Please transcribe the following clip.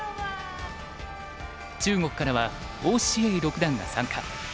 中国からは於之瑩六段が参加。